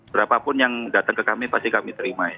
berapapun yang datang ke kami pasti kami terima ya